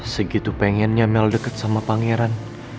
segitu pengennya mel deket sama pangeran